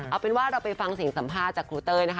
เอาเป็นว่าเราไปฟังเสียงสัมภาษณ์จากครูเต้ยนะคะ